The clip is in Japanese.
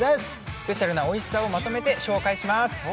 スペシャルなおいしさをまとめて紹介します。